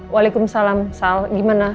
waalaikumsalam sal gimana